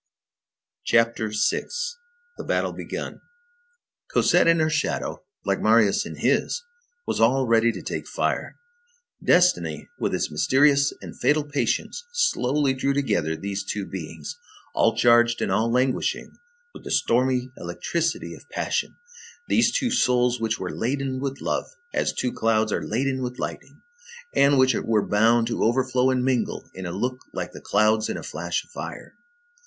CHAPTER VI—THE BATTLE BEGUN Cosette in her shadow, like Marius in his, was all ready to take fire. Destiny, with its mysterious and fatal patience, slowly drew together these two beings, all charged and all languishing with the stormy electricity of passion, these two souls which were laden with love as two clouds are laden with lightning, and which were bound to overflow and mingle in a look like the clouds in a flash of fire.